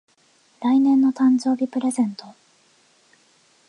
来年の誕生日プレゼント